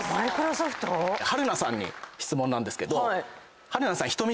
春菜さんに質問なんですけど。